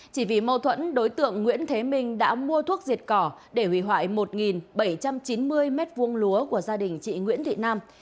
chỉ vì mâu thuẫn đối tượng nguyễn thế minh đã mua thuốc diệt cỏ để hủy hoại một bảy trăm chín mươi m hai lúa của gia đình chị nguyễn thị nam